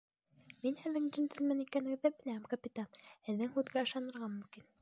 Мин һеҙҙең джентльмен икәнегеҙҙе беләм, капитан, һеҙҙең һүҙгә ышанырға мөмкин.